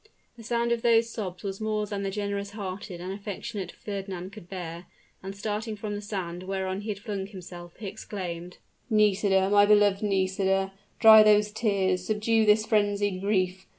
The sound of those sobs was more than the generous hearted and affectionate Fernand could bear; and starting from the sand whereon he had flung himself, he exclaimed, "Nisida, my beloved Nisida, dry those tears, subdue this frenzied grief!